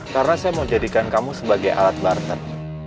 karena saya mau jadikan kamu sebagai alat barter